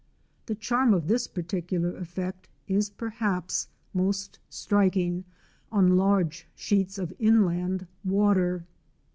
The charm of this particular effect is perhaps most striking on large sheets of inland water.